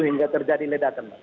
hingga terjadi ledakan